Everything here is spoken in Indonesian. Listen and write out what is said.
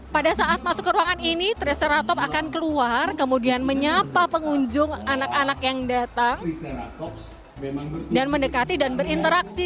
pada saat masuk ke ruangan ini traceratop akan keluar kemudian menyapa pengunjung anak anak yang datang dan mendekati dan berinteraksi